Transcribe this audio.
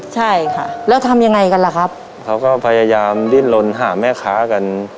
ใช่ค่ะแล้วทำยังไงกันล่ะครับเขาก็พยายามดิ้นลนหาแม่ค้ากัน